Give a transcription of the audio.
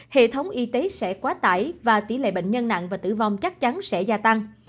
hệ thống y tế sẽ quá tải và tỷ lệ bệnh nhân nặng và tử vong chắc chắn sẽ gia tăng